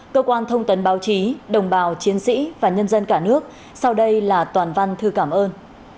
cơ quan thông tấn báo chí đồng bào chiến sĩ và nhân dân cả nước sau đây là toàn văn thư cảm ơn